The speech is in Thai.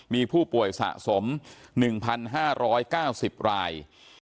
มีผู้ป่วยสะสม๑๕๙๐ราย